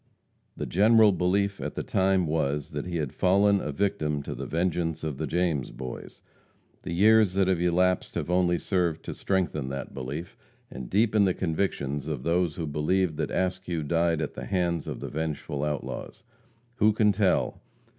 The general belief at the time was, that he had fallen a victim to the vengeance of the James Boys. The years that have elapsed have only served to strengthen that belief and deepen the convictions of those who believed that Askew died at the hands of the vengeful outlaws. Who can tell?